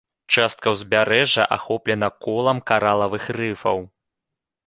Частка ўзбярэжжа ахоплена колам каралавых рыфаў.